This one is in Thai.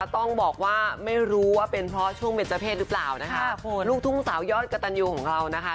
ต้องบอกว่าไม่รู้ว่าเป็นเพราะช่วงเป็นเจ้าเพศหรือเปล่านะคะลูกทุ่งสาวยอดกระตันยูของเรานะคะ